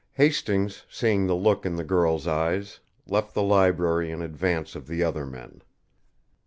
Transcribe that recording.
Hastings, seeing the look in the girl's eyes, left the library in advance of the other men.